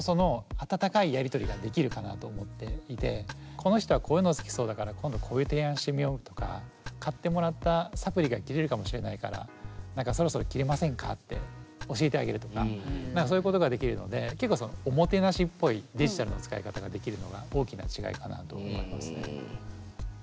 この人はこういうの好きそうだから今度こういう提案してみようとか買ってもらったサプリが切れるかもしれないからそろそろ切れませんかって教えてあげるとかそういうことができるので結構そのおもてなしっぽいデジタルの使い方ができるのが大きな違いかなと思いますね。